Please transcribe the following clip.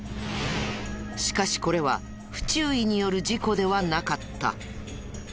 しかしこれは不注意による事故ではなかった。